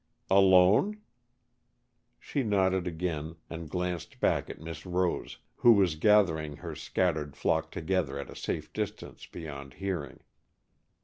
"Alone?" She nodded again, and glanced back at Miss Rose, who was gathering her scattered flock together at a safe distance beyond hearing.